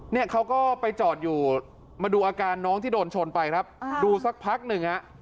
เนี่ยเขาก็ไปจอดอยู่มาดูอาการน้องที่โดนชนไปครับดูสักพักหนึ่งฮะ